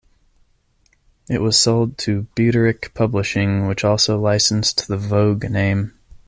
It was sold to Butterick Publishing which also licensed the Vogue name.